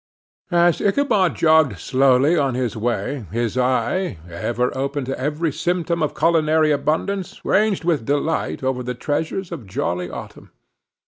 As Ichabod jogged slowly on his way, his eye, ever open to every symptom of culinary abundance, ranged with delight over the treasures of jolly autumn.